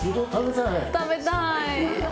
食べたーい。